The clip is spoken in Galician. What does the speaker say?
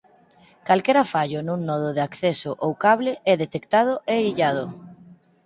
Calquera fallo nun nodo de acceso ou cable é detectado e illado.